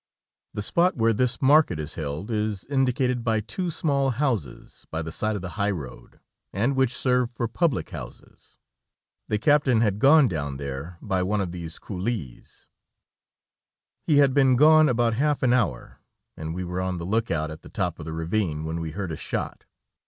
The spot where this market is held, is indicated by two small houses by the side of the high road, and which serve for public houses. The captain had gone down there by one of these coulées. He had been gone about half an hour, and we were on the look out at the top of the ravine when we heard a shot.